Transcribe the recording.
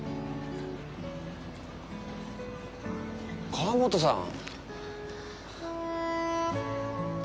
川本さん。